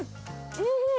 おいしい！